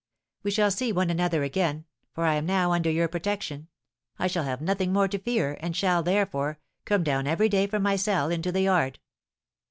"We shall see one another again, for I am now under your protection. I shall have nothing more to fear, and shall, therefore, come down every day from my cell into the yard."